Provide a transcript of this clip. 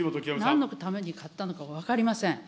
何のために買ったのか分かりません。